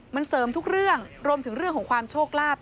มันเสริมทุกเรื่องรวมถึงเรื่องของความโชคลาภ